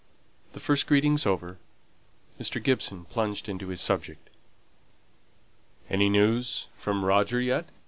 The first greetings over, Mr. Gibson plunged into his subject. "Any news from Roger yet?"